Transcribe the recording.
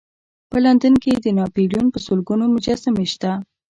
په لندن کې د ناپلیون په سلګونو مجسمې شته.